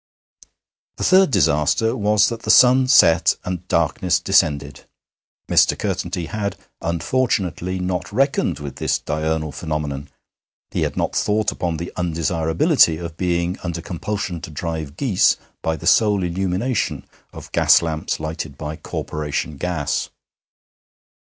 The third disaster was that the sun set and darkness descended. Mr. Curtenty had, unfortunately, not reckoned with this diurnal phenomenon; he had not thought upon the undesirability of being under compulsion to drive geese by the sole illumination of gas lamps lighted by Corporation gas.